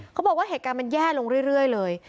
เขาบอกว่าเหตุการณ์มันแย่ลงเรื่อยเลย